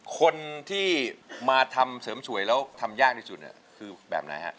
คนที่มาทำเสริมสวยแล้วทำยากที่สุดคือแบบไหนฮะ